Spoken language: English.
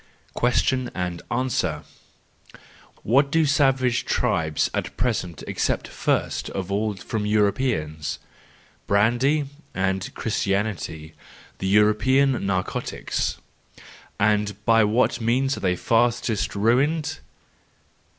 Question and Answer .—What do savage tribes at present accept first of all from Europeans? Brandy and Christianity, the European narcotics.— And by what means are they fastest ruined